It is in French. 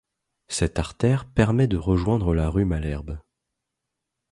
Cette artère permet de rejoindre la rue Malherbe.